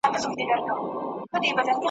ورځ دي په اوښکو شپه دي ناښاده !.